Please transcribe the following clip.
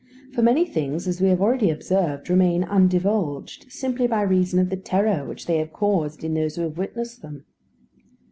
For many things, as we have already observed, remain undivulged, simply by reason of the terror which they have caused in those who have witnessed them.